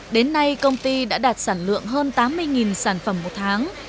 đến nay công ty đã đạt sản lượng hơn tám mươi sản phẩm một tháng